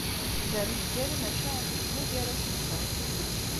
D ameggal maca ixeddem ugar asenqed.